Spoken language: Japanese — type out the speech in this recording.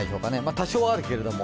多少はあるけれども。